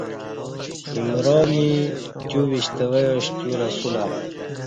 امرامی تہ وشتویاش تیو رسولہ